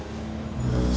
gimana tuh deng